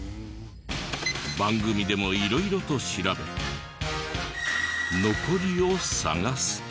番組でも色々と調べ残りを探すと。